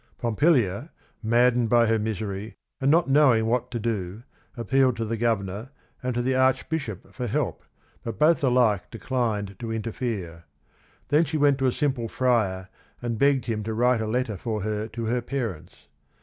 Pompilia, maddened by her misery and not knowing what to do, ap pealed to the governor and to the archbishop for help, but both alike declined to interfere. Then she went to a simple friar and begged him to write a letter for her to her parents.